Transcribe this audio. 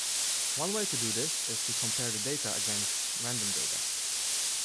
One way to do this is to compare the data against random data.